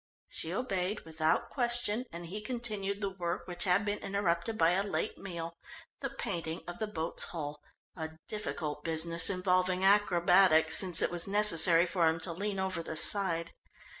She obeyed without question, and he continued the work which had been interrupted by a late meal, the painting of the boat's hull, a difficult business, involving acrobatics, since it was necessary for him to lean over the side.